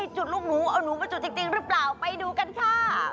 จุดลูกหนูเอาหนูมาจุดจริงหรือเปล่าไปดูกันค่ะ